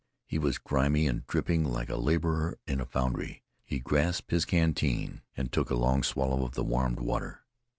He was grimy and dripping like a laborer in a foundry. He grasped his canteen and took a long swallow of the warmed water.